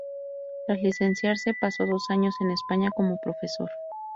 Tras licenciarse, pasó dos años en España como profesor.